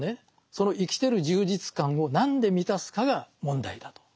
その生きてる充実感を何で満たすかが問題だと。